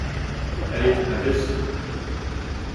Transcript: Allez, à plus!